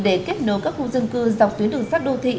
để kết nối các khu dân cư dọc tuyến đường sát đô thị